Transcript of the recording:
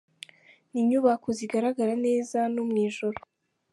Ni inyubako zigaragara neza no mu ijoro.